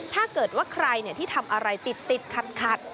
ถ้าเกิดว่าใครที่ทำอะไรติดขัด